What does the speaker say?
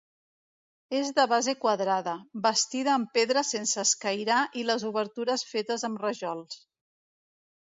És de base quadrada, bastida amb pedra sense escairar i les obertures fetes amb rajols.